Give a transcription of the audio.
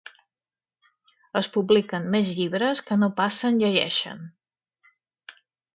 Es publiquen més llibres que no pas se'n llegeixen.